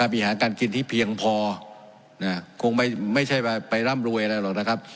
มีหาการกินที่เพียงพอคงไม่ใช่ไปร่ำรวยอะไรหรอกนะครับ